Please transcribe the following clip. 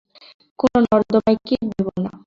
কোন নর্দমার কীট ভেবো না।